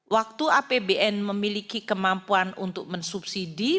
waktu apbn memiliki kemampuan untuk mensubsidi